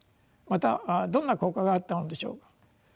またどんな効果があったのでしょう。